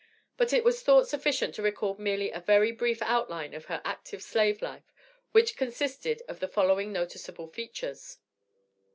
But it was thought sufficient to record merely a very brief outline of her active slave life, which consisted of the following noticeable features.